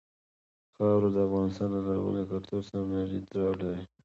خاوره د افغانستان له لرغوني کلتور سره نږدې تړاو لري.